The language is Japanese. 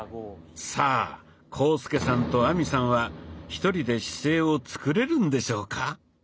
さあ浩介さんと亜美さんは一人で姿勢をつくれるんでしょうか？